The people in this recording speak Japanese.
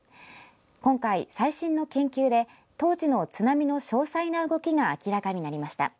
今回、最新の研究で当時の津波の詳細な動きが明らかになりました。